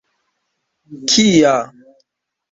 kia